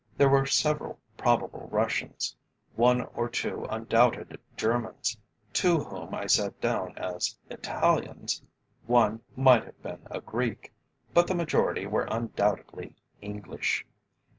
There were several probable Russians, one or two undoubted Germans, two whom I set down as Italians, one might have been a Greek, but the majority were undoubtedly English.